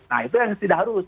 nah itu yang tidak harus